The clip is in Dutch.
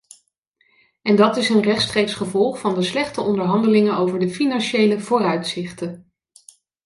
En dat is een rechtstreeks gevolg van de slechte onderhandelingen over de financiële vooruitzichten.